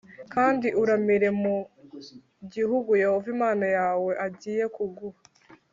kandi uramire mu gihugu Yehova Imana yawe agiye kuguha.”